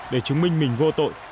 để chứng minh mình vô tội